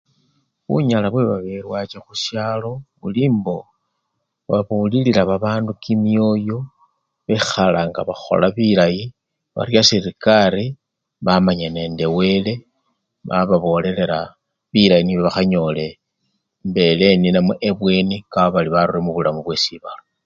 Bunyala bwebabelwachi khusyalo buli mbo babulilila babandu kimyoyo bekhala nga bakhola bilayi bya serekari bamanya nende wele bababolelela bilayi nibyo bakhanyole mbeleni namwe ebweni kabari barurire mubulamu bwesibala.